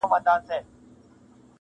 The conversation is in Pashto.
يوه ږغ كړه چي تر ټولو پهلوان يم-